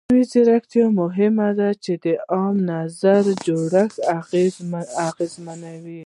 مصنوعي ځیرکتیا د عامه نظر جوړښت اغېزمنوي.